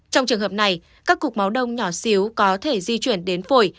trong trường hợp này các cục máu đông nhỏ xíu có thể di chuyển đến phổi